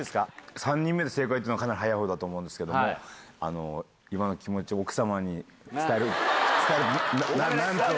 ３人目で正解っていうのはかなり早いほうだと思うんですけれども、今のお気持ちを奥様に伝える、なんと？